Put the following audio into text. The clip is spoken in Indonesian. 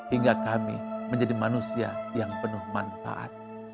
hingga kami menjadi manusia yang penuh manfaat